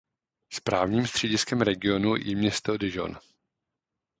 Správním střediskem regionu je město Dijon.